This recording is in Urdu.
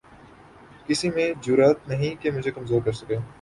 کسی میں جرات نہیں کہ مجھے کمزور کر سکے